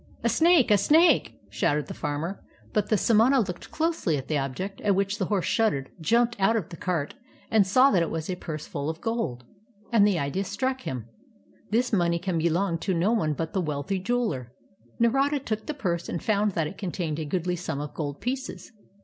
"A snake, a snake!" shouted the farmer; but the samana looked closely at the object at which the horse shuddered, jumped out of the cart, and saw that it was a purse full of gold, and the idea struck him: "This money can belong to no one but the wealthy jeweler." Narada took the purse and found that it contained a goodly sum of gold pieces.